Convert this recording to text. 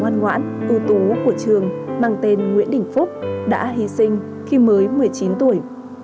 anh quân việt và phúc phúc là người trẻ nhất mới một mươi chín tuổi